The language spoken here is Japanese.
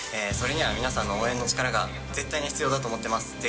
それには皆さんの応援の力が絶対に必要だと思ってます。